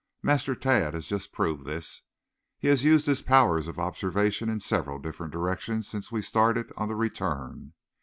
Master Tad has just proved this. He has used his powers of observation in several different directions since we started on the return.